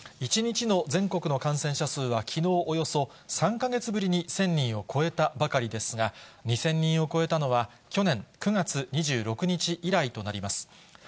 １日の全国の感染者数はきのう、およそ３か月ぶりに１０００人を超えたばかりですが、２０００人を超えたのは、去年９月２６日以来となります。